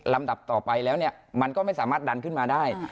ดับต่อไปแล้วเนี่ยมันก็ไม่สามารถดันขึ้นมาได้